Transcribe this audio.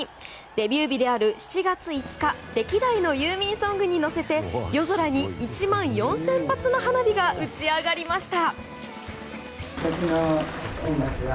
デビュー日である７月５日歴代のユーミンソングに乗せて夜空に１万４０００発の花火が打ち上がりました。